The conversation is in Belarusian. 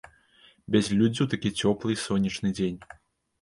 Бязлюддзе ў такі цёплы і сонечны дзень!